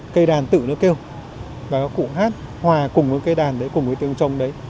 cây đàn tự nó kêu và có cụ hát hòa cùng với cây đàn đấy cùng với tiếng trong đấy